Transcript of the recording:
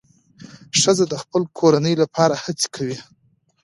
ښځه د خپل کورنۍ لپاره هڅې کوي.